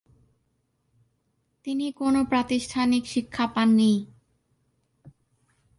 তিনি কোন প্রাতিষ্ঠানিক শিক্ষা পাননি।